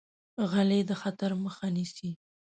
غلی، د خطر مخه نیسي.